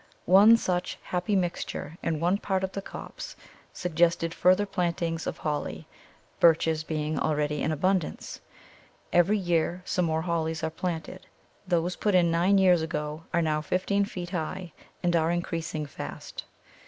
One such happy mixture in one part of the copse suggested further plantings of Holly, Birches being already in abundance. Every year some more Hollies are planted; those put in nine years ago are now fifteen feet high, and are increasing fast.